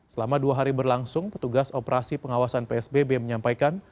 selama dua hari berlangsung petugas operasi pengawasan psbb menyampaikan